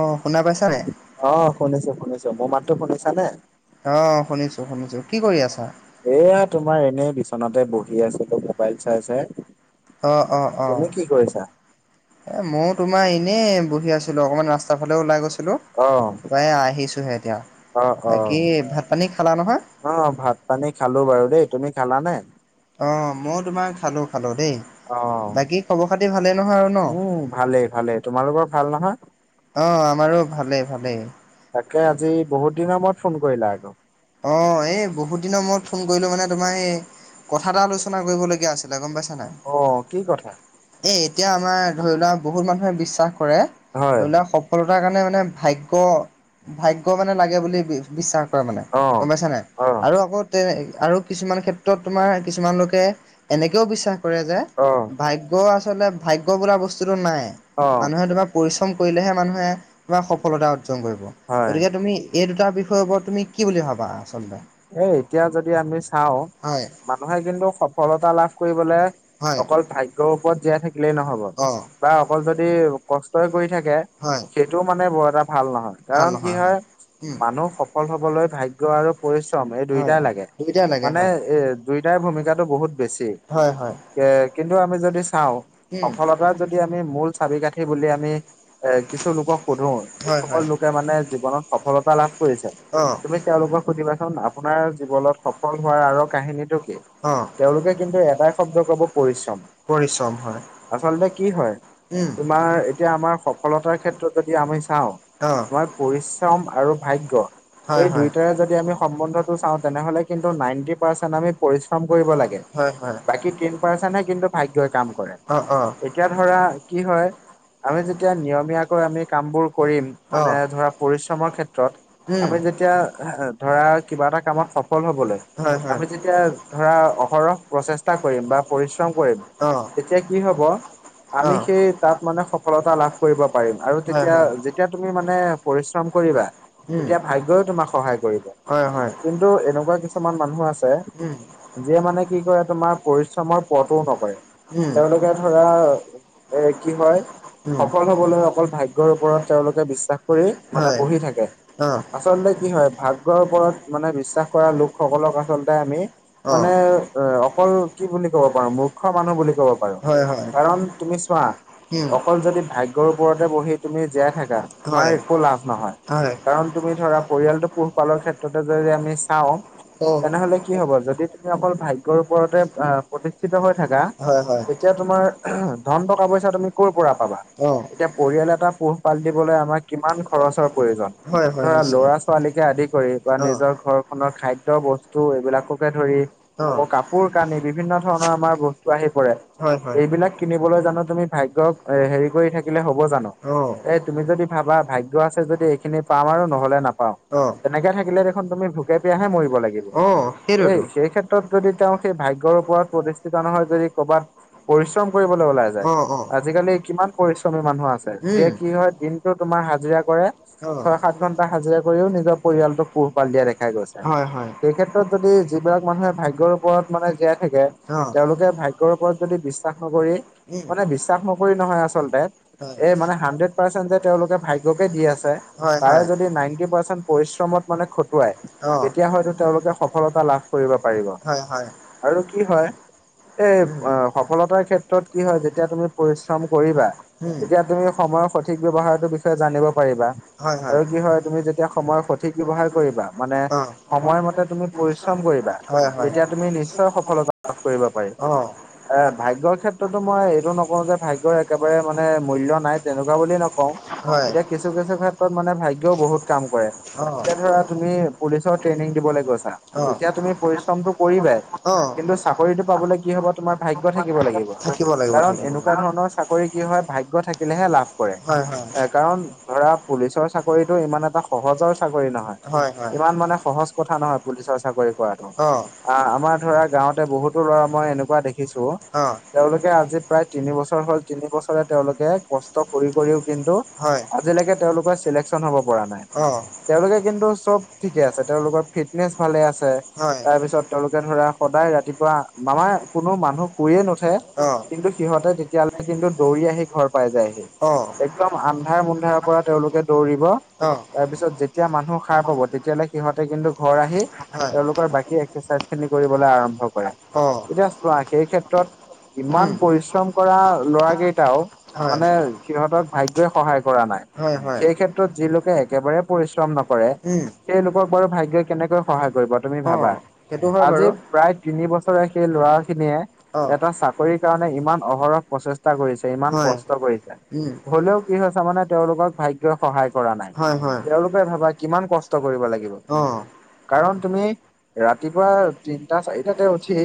অ', শুনা পাইছানে? অ শুনিছো শুনিছো মোৰ মাততো শুনিছা নে? অ শুনিছো শুনিছো কি কৰি আছা? এয়া তোমাৰ এনেই বিচনাতে বহি আছিলো মোবাইল চাই চাই। অ অ অ। তুমি কি কৰিছা এই ময়ো তোমাৰ এনেই বহি আছিলো অকণমান ৰাস্তাৰ ফালেও ওলাই গৈছিলো। অ নাই আহিছোহে এতিয়া অ অ বাকী ভাত পানী খালা নহয় অ ভাত পানী খালো বাৰু দেই তুমি খালা নে? অ ময়ো তোমাৰ খালো খালো দেই। অ বাকী খবৰ খাতি ভালেই নহয় আৰু ন। উম ভালেই ভালেই তোমালোকৰ ভাল নহয় অ আমাৰো ভালেই ভালেই তাকে আজি বহুত দিনৰ মূৰত ফোন কৰিলা আকৌ। অ এই বহুত দিনৰ মই ফোন কৰিলো মানে তোমাৰ সেই কথা এটা আলোচনা কৰিবলগীয়া আছিলে গম পাইছা নাই অ কি কথা এ এতিয়া আমাৰ ধৰি লোৱা বহুত মানুহে বিশ্বাস কৰে হয় ধৰি লোৱা স সফলতাৰ কাৰণে মানে ভাগ্য ভাগ্য মানে লাগে বুলি বিশ্বাস কৰে মানে অ গম পাইছা নাই অ আৰু আকৌ তে আৰু কিছুমান ক্ষেত্ৰত তোমাৰ কিছুমান লোকে এনেকেও বিশ্বাস কৰে যে অ ভাগ্য আচলতে ভাগ্য বোলা বস্তুটো নাই অ মানুহে তোমাৰ পৰিশ্ৰম কৰিলেহে মানুহে তোমাৰ সফলতা অৰ্জন কৰিব হয় গতিকে তুমি এই দুটা বিষয়ৰ ওপৰত তুমি কি বুলি ভাবা আচলতে এ এতিয়া যদি আমি চাও হয় মানুহে কিন্তু সফলতা লাভ কৰিবলে হয় অকল ভাগ্য ওপৰত জীয়াই থাকিলেই নহব অ বা অকল যদি কষ্টই কৰি থাকে হয় সেইটো মানে বৰ এটা ভাল নহয় ভাল কাৰণ কি নহয় হয় উম মানুহ সফল হবলৈ ভাগ্য আৰু শ্ৰম এই দুইটাই লাগে দুইটাই লাগে মানে হয় এ দুইটাই ভূমিকাটো বহুত বেছি হয় হয় এ কিন্তু আমি যদি চাও উম সফলতাৰ যদি আমি মূল চাবি কাঠি বুলি আমি এ কিছু লোকক সোধো হয় যিসকল হয় লোকে মানে জীৱনত সফলতা লাভ কৰিছে তুমি অ তেওঁলোকক সুধিবাচোন অ আপোনাৰ জীৱনত পৰিশ্ৰম সফল হোৱাৰ আঁৰৰ পৰিশ্ৰম কাহিনীটো কি? হয় তেওঁলোকে আচলতে কিন্তু এটাই শব্দ কি ক'ব পৰিশ্ৰম। উম তোমাৰ আচলতে সফলতাৰ কি হয় যদি তোমাৰ আমি এতিয়া আমাৰ চাও সফলতাৰ ক্ষেত্ৰত অ আৰু পৰি শ্ৰম আৰু ভাগ্য হয় হয় এই দুইটাই বৰ যদি আমি সম্বন্ধটো চাও তেনেহলে কিন্তু নাইনটি পাৰ্চেন্ট আমি পৰিশ্ৰম কৰিব লাগে হয় হয় বাকী টেন পাৰ্চেন্টহে কিন্তু ভাগ্যই কাম কৰে অ অ এতিয়া ধৰা কি হয় আমি যেতিয়া নিয়মীয়াকৈ আমি কামবোৰ কৰিম মানে ধৰা পৰিশ্ৰমৰ ক্ষেত্ৰত আমি যেতিয়া আ হা ধৰা কিবা এটা কামত সফল হবলৈ আমি যে তিয়া ধৰা অহৰহ প্ৰচেষ্টা কৰিম বা পৰিশ্ৰম কৰিম অহ তেতিয়া কি হ'ব আমি সেই তাত মানে সফলতা লাভ কৰিব পাৰিম। আৰু তেতিয়া যেতিয়া তুমি মানে পৰিশ্ৰম কৰিবা তেতিয়া ভাগ্যই তোমাক সহায় কৰিব। হয়, হয় কোনো এনেকোৱা কিছুমান মানুহ আছে উম যিয়ে মানে কি তোমাৰ পইচাৰ প্ৰব্লেম আছে উ তেওঁলোকে তোমাৰ কি হয় সফল হ'বলৈ অকল অকন ভাগ্যৰ ওপৰত তেওঁলোকে বিশ্বাস কৰি মানে হয় বহি অঁ লোকৰ ওপৰত মানে বিশ্বাস কৰা লোকসকলক আচলতে আমি মানে এ অকল কি বুলি ক'ব পাৰো মূৰ্খ মানুহ বুলি ক'ব পাৰো হয় হয় কাৰণ তুমি চোৱা অকল যদি ভাগ্যয়ৰ ওপৰতে বহি তুমি জীয়াই থাকা তোমাৰ একো লাভ নহয়। হয়। কাৰণ তুমি ধৰা পৰিয়ালটো পু পালৰ ক্ষেত্ৰতে যদি আমি চাওঁ অ তেনেহলে কি হ'ব যদি তুমি অকল ভাগ্যৰ ওপৰতে প্ৰতিষ্ঠিত হৈ থাকা হয় হয় তেতিয়া তোমাৰ ধন টকা পইচা তুমি কৰ' পৰা পাবা। এতিয়া পৰিয়াল এটা পোহপাল দিবলৈ আমাৰ কিমান খৰচৰ প্ৰয়োজন। কৰিব ধৰা ল'ৰা ছোৱালীকে আদিক। কৰি বা অ'। নিজৰ ঘৰখনৰ খাদ্য বস্তু এইবিলাককে ধৰি। আকৌ কাপোৰ কানি বিভিন্ন ধৰণৰ আমাৰ বস্তু আহি পৰে অ'হ এইবিলাক কিনিবলৈ জানো তুমি ভাগ্যয়ক এ হেৰি কৰি থাকিলে হ'ব জানো এ তুমি যদি। ভাবা ভাগ্য আছে যদি এইখিনি পাম আৰু নহ'লে নাপাওঁ। নহয়। অ'। তেনেকে থাকিলে দেখোন তুমি ভোকে পিয়াহে মৰিব লাগিব। অ', এই সেইটোৱেতো। সেই ক্ষেত্ৰত যদি তেওঁ সেই ভাগ্যৰ ওপৰত প্ৰতিষ্ঠিত নহয় যদি কৰ'বাত। পৰিশ্ৰম কৰিবলৈ ওলাই যায়। অ', অ'। আজিকালি কিমান পৰিশ্ৰমী মানুহ আছে, যিয়ে উম। কি হয় দিন। টো তোমাৰ হাজিৰা কৰে অ'। ছয় সাত ঘন্টা হাজিৰা কৰিও নিজৰ। পৰিয়ালটোক পোহপাল দিয়া দেখাই গৈছে। হয়, হয়। সেই ক্ষেত্ৰত যদি যিবিলাক মানুহে ভাগ্যৰ ওপৰত মানে জীয়াই থাকে। তেওঁলোকে ভাগ্যৰ ওপৰত অ'হ যদি বিশ্বাস নকৰি মানে [unintelligible] বিশ্বাস নকৰি নহয় আচলতে ওম এই মানে হাণ্ড্ৰেড [unintelligible] পাৰ্চেন্ট যে তেওঁলোকে ভাগ্যকে দি আছে হয়। তাৰে যদি নাইনটি পাৰ্চেণ্ট অহ হয়তো তেওঁলোকে সফলতা লাভ কৰিব পাৰিব হয়, হয় আৰু কি হয় এই উম। সফলতাৰ ক্ষেত্ৰত কি হয় যেতিয়া তুমি পৰিশ্ৰম কৰিবা। উম। তেতিয়া তুমি সময়ৰ সঠিক ব্যৱসায়টোৰ বিষয়ে জানিব পাৰিবা আৰু কি হয়, তুমি যেতিয়া সময়ৰ। সঠিক ব্যৱহাৰ কৰিবা মানে অ' সময়মতে তুমি পৰিশ্ৰম কৰিবা হয় হয়। তেতিয়া তুমি নিশ্চয় সফলতা। লাভ কৰিব পাৰিবা। অ' এ ভাগ্যৰ ক্ষেত্ৰতো মই এইটো নকওঁ যে ভাগ্যয়ই। একেবাৰে মানে মূল্যৰ নাই তেনেকুৱা বুলি নকওঁ, হয়। এতিয়া কিছু কিছু কিছু ক্ষেত্ৰ মানে ভাগ্যও বহুত কাম কৰে। অ'। এতিয়া ধৰা তুমি পুলিচৰ ট্ৰেইনিং দিবলে গৈছা অ'। তেতিয়া তুমি পৰিশ্ৰমটো কৰিবাই। অ' কিন্তু চাকৰিটো পাবলৈ কি হব তোমাৰ ভাগ্য থাকিব লাগিব। থাকিব লাগিব কাৰণ থাকিব এনেকুৱা ধৰণৰ চাকৰি কি হয় লাগিব। ভাগ্য। গ্য থাকিলেহে লাভ কৰে হয় হয়। কাৰণ ধৰা পুলিচৰ চাকৰিটো ইমান এটা সহজৰ। চাকৰি নহয় হয় হয়। ইমান মানে সহজ কথা নহয়। পুলিচৰ চাকৰি কৰাটো। অঁ অ আমাৰ ধৰা গাঁৱতে বহুতো ল'ৰা মই এনেকুৱা দেখিছো। অহ। তেওঁলোকে আজি প্ৰায় তিনি বছৰ হ'ল তিনি বছৰে তেওঁলোকে কষ্ট কৰি কৰিও কিন্তু হয়, আজিলৈকে তেওঁলোকৰ চিলেকচন হব পৰা নাই। অহ। তেওঁলোকে কিন্তু চব ঠিকে আছে তেওঁলোকৰ ফিটনেচ ভালে আছে। [unintelligible] হয় তাৰ পিছত [unintelligible] তেওঁলোকে ধৰা সদায় ৰাতিপুৱা মামা কোনো মানুহ শুইয়ে নুঠে অঁ কিন্তু সিহঁতে তেতি এতিয়ালে কিন্তু দৌৰি আহি ঘৰ পাই যায়হি অঁ একদম। আন্ধাৰ মুন্ধাৰৰ পৰা তেওঁলোকে দৌৰিব অঁ তাৰপিছত যেত। যেতিয়া মানুহ সাৰ পাব তেতিয়াহ'লে সিহঁতে কিন্তু ঘৰ আহি। হয়। তেওঁলোকৰ বাকী এক্সাৰচাইজ খিনি কৰিবলৈ আৰম্ভ কৰে অঁ এতিয়া চোৱা সেই ক্ষেত্ৰত। উম ইমান পৰিশ্ৰম কৰা ল'ৰা কেইটাও। হয়। মানে সিহঁতক ভাগ্যই সহায় কৰা নাই হয় হয়। সেই ক্ষেত্ৰত যি লোকে একেবাৰে পৰিচ। নকৰে উম সেই লোকক বাৰু ভাগ্যয়ই কেনেকৈ সহায় কৰিব তুমি অঁ ভাবা। সেইটো হয় আজি বাৰু প্ৰায় তিনি বছৰে সেই ল'ৰা অঁ খিনিয়ে এটা চাকৰিৰ কাৰণে ইমান অহৰহ প্ৰচেষ্টা কৰিছে ইমান হয় কষ্ট কৰিছে উম হলেও কি হৈছে মানে তেওঁলোকক ভাগ্যই সহায় কৰা নাই। হয় তেওঁলোকে ভাবা কিমান কষ্ট কৰিব লাগিব অ', কাৰণ তুমি। ৰাতিপুৱা তিনটা চাৰিটাতে উঠি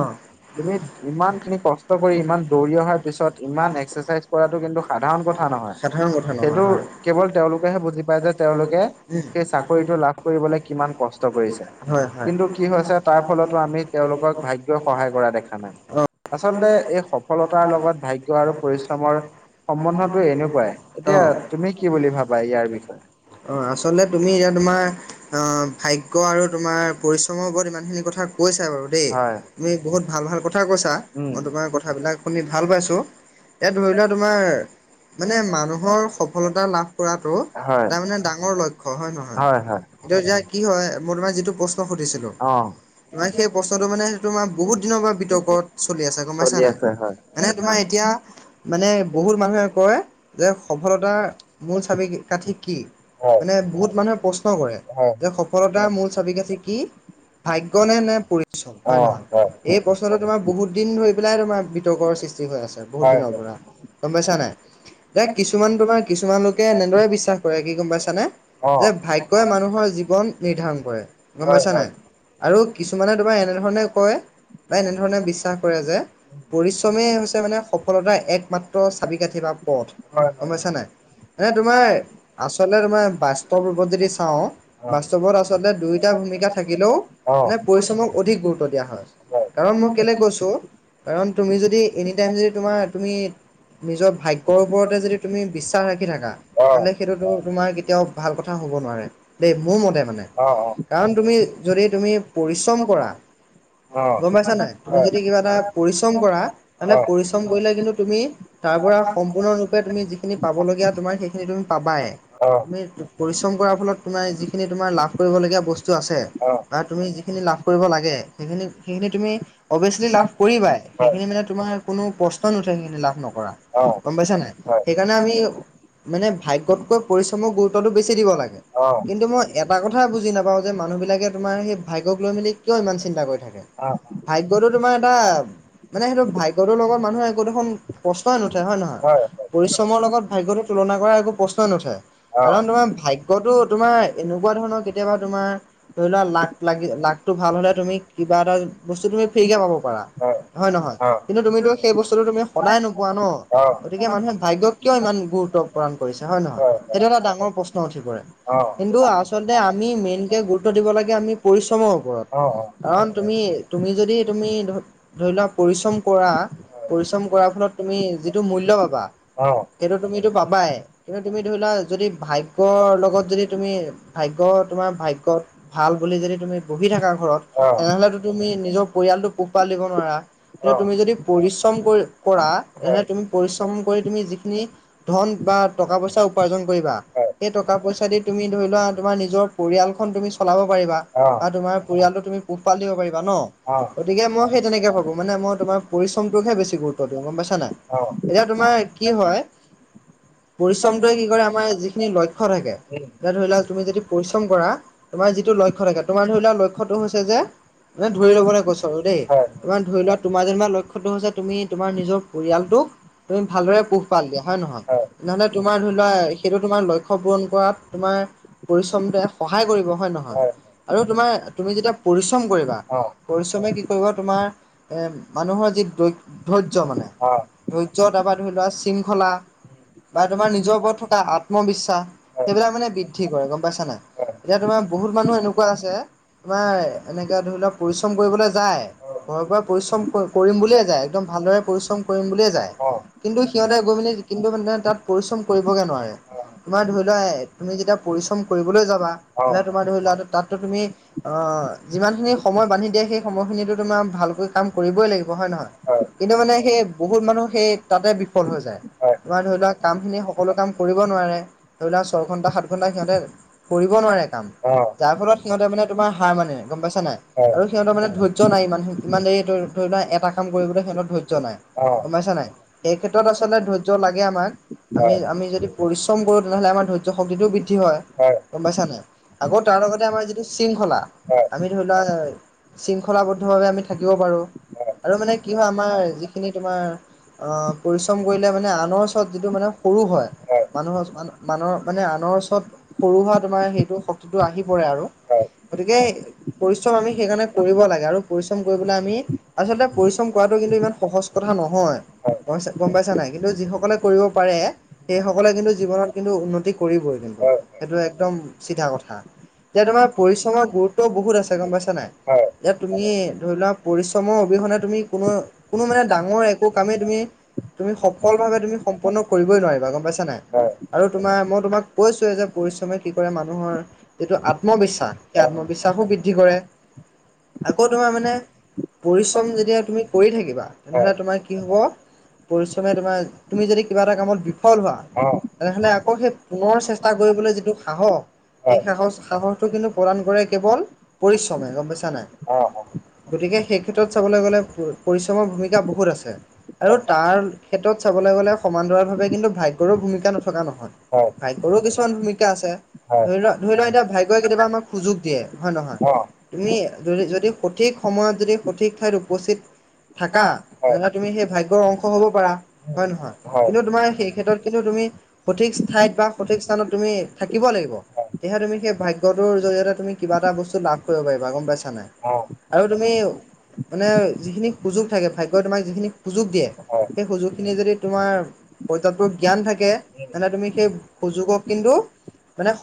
অ', তুমি ইমান খিনি কষ্ট কৰি ইমান দৌৰি অহাৰ পিছত ইমান এক্সাৰচাইজ কৰাটো কিন্তু সাধাৰণ কথা নহয়। সাধাৰণ কথা সেইটো নহয়, হয়। কেৱল তেওঁলোকেহে বুজি পাই যে তেওঁলোক উম, সেই চাকৰিটো লাভ কৰিবলৈ কিমান কষ্ট কৰিছে। হয় হয়। কিন্তু কি হৈছে তাৰ ফলতো আমি তেওঁলোকক ভাগ্যই সহায় কৰা দেখা নাই। অ'। আচলতে এই সফলতাৰ লগত ভাগ্য আৰু পৰিশ্ৰমৰ সম্বন্ধটো এনেকুৱাই। এতিয়া অ', তুমি কি বুলি ভাবা ইয়াৰ বিষয়ে? অ আচলতে তুমি এতিয়া তোমাৰ, অ ভাগ্য আৰু তোমাৰ পৰিশ্ৰমৰ ওপৰত ইমানখিনি কথা কৈছা বাৰু দেই। হয় তুমি বহুত ভাল ভাল কথা কৈছা। উম মই তোমাৰ কথাবিলাক শুনি ভাল পাইছো। এতিয়া ধৰি লোৱা তোমাৰ মানে মানুহৰ সফলতা লাভ কৰাটো হয় তাৰ মানে ডাঙৰ লক্ষ্য হয় নহয়। কি হয় মই তোমাক যিটো প্ৰশ্ন সুধিছিলো। অ তোমাৰ সেই প্ৰশ্নটো মানে তোমাৰ বহুত দিনৰ পৰা বিতৰ্কত চলি আছে গম পাইছা চলি নাই। আছে হয় মানে তোমাৰ এতিয়া মানে বহুত মানুহে কয় যে সফলতা মূল চাবি কাঠি কি? হয় মানে বহুত মানুহে প্ৰশ্ন কৰে হয় যে সফলতাৰ মূল চাবি কাঠি কি। ভাগ্য নে, নে পৰিশ্ৰম, হয় নহয়? এই প্ৰশ্নটো তোমাৰ বহুত দিন ধৰি পেলাই তোমাৰ সৃষ্টি হৈ আছে বহুত হয় দিনৰ হয়। পৰা গম পাইছা নাই যে কিছুমান তোমাৰ কিছুমান লোকে এনেদৰে বিশ্বাস কৰে কি গম পাইছানে অ', হয়, যে ভাগ্য ই মানুহৰ জীৱন নিৰ্ধাৰণ কৰে গম পাইছা নে হয়, হয়, নাই? আৰু কিছুমানে তোমাৰ এনেধৰণে কয় বা এনেধৰণে বিশ্বাস কৰে যে পৰিশ্ৰমেই হৈছে মানে সফলতাৰ একমাত্ৰ চাবিকাঠি বা পথ হয়, গম পাইছা নে নাই? এ তোমাৰ আচলতে তোমাৰ বাস্তৱ ৰূপত যদি চাওঁ অ', অ', বাস্তৱত আচলতে দুইটা ভূমিকা থাকিলেও হয়, অ', অ', অ', অ', মানে পৰিশ্ৰমক অধিক গুৰুত্ব দিয়া হয়। কাৰণ মই কেলে কৈছো কাৰণ তুমি যদি এনি টাইম যদি তোমাৰ তুমি নিজৰ ভাগ্যৰ ওপৰতে যদি তুমি বিশ ৰাখি থাকা। অ', অ', সেইটোতো তোমাৰ কেতিয়াও ভাল কথা হ'ব নোৱাৰে। দেই মোৰ মতে মানে কাৰণ তুমি যদি তুমি পৰিশ্ৰম কৰা গম অ। পাইছা নাই। তুমি হয়। যদি কিবা এটা পৰিশ্ৰম কৰা তেনে পৰিশ্ৰম কৰিলে কিন্তু তুমি তাৰ পৰা সম্পূৰ্ণৰূপে তুমি যিখিনি পাবলগীয়া তোমাৰ সেইখিনি তুমি পাবাই। অ', হয়। তুমি পৰিশ্ৰম কৰাৰ ফলত তোমাৰ যিখিনি তোমাৰ লাভ কৰিবলগীয়া বস্তু আছে বা তুমি যিখিনি লাভ কৰিব লাগে। সেইখিনি সেইখিনি তুমি অবিয়াচলি লাভ কৰিবাই। সেইখিনি মানে তোমাৰ কোনো প্ৰশ্ন নুঠে সেইখিনি লাভ নকৰা গম পাইছা নাই। সেইকাৰণে আমি মানে ভাগ্যতকৈ পৰিশ্ৰমৰ গুৰুত্বটো বেছি দিব লাগে। অ'। কিন্তু মই এটা কথাই বুজি নাপাও যে মানুহ বিলাকে তোমাৰ সেই ভাগ্যক লৈ মেলি কিয় ইমান চিন্তা কৰি থাকে? ভাগ্যটো তোমাৰ এটা, মানে সেইটো ভাগ্যটোৰ লগত মানুহে একো দেখুন প্ৰশ্নই নুঠে হয় নহয়? শ্ৰমৰ লগত ভাগ্যটো তুলনা কৰা একো প্ৰশ্নই নুঠে অ কাৰণ তোমাৰ ভাগ গ্যটো তোমাৰ এনেকুৱা ধৰণৰ কেতিয়াবা তোমাৰ ধৰি লোৱা লাক লাগি লাকটো ভাল হলে তুমি, কিবা এটা বস্তু তুমি ফ্ৰী কে পাব পাৰা। হয় নহয়? অ কিন্তু তুমিতো সেই বস্তুটো তুমি সদায় নোপোৱা ন? অ'। হয়, গতিকে মানুহে ভাগ্য গুৰুত্ব প্ৰদান কৰিছে হয় নহয়, হয় সেইটো এটা ডাঙৰ প্ৰশ্ন উঠি পৰে। অ'। কিন্তু আচলতে আমি মেইনকে গুৰুত্ব দিব লাগে আমি পৰিশ্ৰমৰ ওপৰত। অ', কাৰণ তুমি-তুমি যদি তুমি ধৰি লোৱা পৰিশ্ৰম কৰা অ'। পৰিশ্ৰম কৰাৰ ফলত তুমি যিটো মূল্য পাবা, হয়। অ'। সেইটো তুমিটো পাবাই। কিন্তু তুমি ধৰিলোৱা যদি ভাগ্যৰ লগত যদি তুমি ভাগ্য তোমাৰ ভাগ্যত ভাল বুলি যদি তুমি বহি থাকা ঘৰত অ'। তেনেহলেতো তুমি নিজৰ পৰিয়ালতটো পোহ পাল দিব নোৱাৰা কিন্তু তুমি যদি পৰিশ্ৰম কৰি কৰা তেনেহলে তুমি পৰিশ্ৰম কৰি তুমি যিখিনি ধন বা টকা পইচা উপাৰ্জন কৰিবা এই টকা পইচা দি তুমি ধৰি লোৱা তোমাৰ নিজৰ পৰিয়ালখন তুমি চলাব পাৰিবা বা তোমাৰ পৰিয়ালটো তুমি পোহপাল দিব পাৰিবা ন অ', গতিকে মই সেই তেনেকে ভাবো মানে মই তোমাৰ পৰিশ্ৰমটোকহে বেছি গুৰুত্ব দিওঁ গম পাইছা নাই অ এতিয়া ইয়াক মই। তোমাৰ কি হয় পৰিশ্ৰমটোৱে কি কৰে আমাৰ যিখিনি লক্ষ্য থাকে। এতিয়া ধৰি লোৱা তুমি যদি পৰিশ্ৰম কৰা তোমাৰ যিটো লক্ষ্য থাকে তোমাৰ ধৰি লোৱা লক্ষ্যটো হৈছে যে। এনে ধৰি ল'বলে কৈছো আৰু দেই। তোমাৰ ধৰি লোৱা তোমাৰ যেনিবা লক্ষ্যটো হৈছে তুমি তোমাৰ নিজৰ পৰিয়ালটোক তুমি ভালদৰে। পোহপাল দিয়া হয় নহয়, নহ'লে তোমাৰ ধৰি লোৱা সেইটো তোমাৰ লক্ষ্য পূৰণ কৰাত তোমাৰ। পৰিশ্ৰমটোৱে সহায় কৰিব হয় নহয়। আৰু তোমাক তুমি যেতিয়া পৰিশ্ৰম কৰিবা অ', পৰিশ্ৰমে কি কৰিব তোমাৰ। এ মানুহৰ যি ধৈত ধৰ্য্য মানে অ'। ধৰ্য্য তাপা ধৰি লোৱাছ। খলা বা তোমাৰ নিজৰ ওপৰত থকা আত্মবিশ্বাস সেই বিলাক মানে বি। দ্ধি কৰে গম পাইছা নাই। এতিয়া তোমাৰ বহুত মানুহ এনেকুৱা আছে তোমাৰ এনেকে ধৰি লওক পৰিশ্ৰম কৰিবলে যায়। ঘৰৰ পৰা পৰিশ্ৰম ক কৰিম বুলিয়ে যায় একদম ভালদৰে পৰিশ্ৰম কৰিম বুলিয়ে যায়। অ কি কৰে। কৰিম বুলি কিন্তু মানে তাত পৰিশ্ৰম কৰিবগে নোৱাৰে। হয় হয় হয় হয় হয় তোমাৰ ধৰি লোৱা তুমি যেতিয়া পৰিশ্ৰম কৰিবলৈ যাবা এনে তোমাৰ ধৰি লোৱা তাততো তুমি। অ যিমানখিনি সময় বান্ধি দিয়ে সেই সময়খিনিতো তোমাৰ ভালকৈ কাম কৰিবই লাগিব হয় নহয় কিন্তু মানে সেই বহুত মানুহ সেই তাতে বিফল হৈ যায়। তোমাৰ ধৰি লোৱা কামখিনি সকলো কাম কৰিব নোৱাৰে ধৰি লোৱা ছয়ঘণ্টা সাত ঘণ্টা সিহঁতে। কৰিব নোৱাৰে কাম যাৰ ফলত সিহঁতে মানে তোমাৰ হাৰ মানে গম পাইছা নাই। আৰু সিহঁতৰ মানে ধৈৰ্য নাই ইমান ইমান দেৰি ধৰি লোৱা এটা কাম কৰিবলৈ সিহঁতৰ ধৈৰ্য নাই। গম পাইছা নাই। সেই ক্ষেত্ৰত আচলতে ধৈৰ্য লাগে আমাক। আমি আমি যদি পৰিশ্ৰম কৰো তেনেহ'লে আমাৰ ধৈৰ্য শক্তিটোও বৃদ্ধি হয়। গম পাইছা নাই আকৌ তাৰ লগতে আমাৰ যিটো শৃংখলা আমি ধৰি লোৱা। শৃংখলাবদ্ধভাৱে আমি থাকিব পাৰোঁ। আৰু মানে কি হয় আমাৰ যিখিনি তোমাৰ অ। পৰিশ্ৰম কৰিলে মানে আনৰ ওচৰত যিটো মানে সৰু হয়। মানুহৰ মানৰ মানে আনৰ ওচৰত সৰু হোৱা তোমাৰ সেইটো শক্তিটো আহি পৰে আৰু। হয় গতিকে পৰিশ্ৰম আমি সেইকাৰণে কৰিব লাগে আৰু পৰিশ্ৰম কৰিবলে আমি। আচলতে পৰিশ্ৰম কৰাটো কিন্তু ইমান সহজ কথা নহয়। অবশ্যে গম পাইছা নাই কিন্তু যিসকলে কৰিব পাৰে। সেইসকলে কিন্তু জীৱনত কিন্তু উন্নতি কৰিবই কিন্তু সেইটো একদম চিধা কথা। এতিয়া তোমাৰ পৰিশ্ৰমৰ গুৰুত্ব বহুত আছে গম পাইছা নাই। হয় এতিয়া তুমি ধৰি লোৱা পৰিশ্ৰমৰ অবিহনে তুমি কোনো। কোনো মানে ডাঙৰ একো কামেই তুমি। তুমি সফল ভাৱে তুমি সম্পন্ন কৰিবই নোৱাৰিবা গম পাইছা নাই। আৰু তোমাৰ মই তোমাক কৈছোৱে যে পৰিশ্ৰমে কি কৰে মানুহৰ- যিটো আত্মবিশ্বাস অ সেই আত্মবিশ্বাসো বৃদ্ধি কৰে। আকৌ তোমাৰ মানে পৰিশ্ৰম যেতিয়া তুমি কৰি থাকিবা তেনে হ'লে তোমাৰ কি হ'ব- পৰিশ্ৰমে তোমাৰ তুমি যদি কিবা এটা কামত বিফল হোৱা হয় তেনে হ'লে আকৌ সেই- পুনৰ চেষ্টা কৰিবলৈ যিটো সাহস। সেই হয়। সাহছ সাহসটো কিন্তু প্ৰদান কৰে কেৱল পৰিশ্ৰমে গম পাইছা অ', নাই। অ', হয়, গতিকে সেই ক্ষেত্ৰত চাবলৈ গ'লে পৰিশ্ৰমৰ ভূমিকা বহুত আছে আৰু তাৰ ক্ষেত্ৰত চাবলে গ'লে সমান্তৰাভাৱে কিন্তু ভাগ্যৰো ভূমিকা নথকা নহয়। হয়। ভাইগৰো কিছুমান ভূমিকা আছে ধৰি অ', লোৱা ধৰি লোৱা এতিয়া হয়। ভাইগ, গৈ কেতিয়াবা আমাক সুযোগ দিয়ে হয় নহয়। তুমি যদি যদি সঠিক সময়ত যদি সঠিক ঠাইত উপস্থিত। থাকা তেনে তুমি সেই ভাগ্যয়ৰ অংশ হব পাৰা হয় নহয়। কিন্তু তোমাৰ সেই ক্ষেত্ৰত কিন্তু তুমি সঠিকছ ঠাইত বা সঠিকছ স্থানত তুমি থাকিব লাগিব। তেতিয়া তুমি সেই ভাগ্যটোৰ জৰিয়তে তুমি কিবা এটা বস্তু লাভ কৰিব পাৰিবা গম পাইছা নাই। আৰু তুমি মানে যিখিনি সুযোগ থাকে ভাগ্যই তোমাক যিখিনি সুযোগ দিয়ে, সেই সুযোগখিনি যদি তোমাৰ, পৰ্যাপ্ত জ্ঞান থাকে তেনেহ'লে তুমি সেই সুযোগক কিন্তু অ'। হয়। মানে-